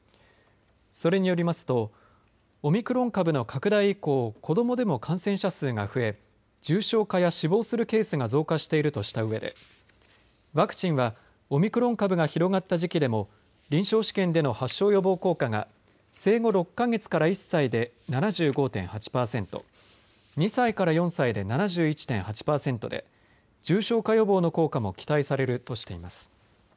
それによりますとオミクロン株の拡大以降子どもでも感染者数が増え重症化や死亡するケースが増加しているとしたうえでワクチンはオミクロン株が広がった時期でも臨床試験での発症予防効果が生後６か月から１歳で７５．８パーセント２歳から４歳で７１．８パーセントで重症化予防の効果も期待されるとしています。